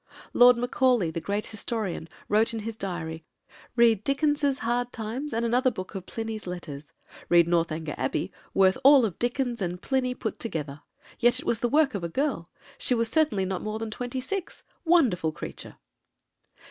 Lord Macaulay, the great historian, wrote in his diary: "Read Dickens's Hard Times, and another book of Pliny's Letters. Read Northanger Abbey, worth all Dickens and Pliny put together. Yet it was the work of a girl. She was certainly not more than twenty six. Wonderful creature!"